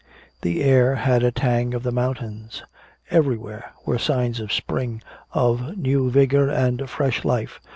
The air had a tang of the mountains. Everywhere were signs of spring, of new vigor and fresh life.